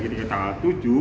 jadi tanggal tujuh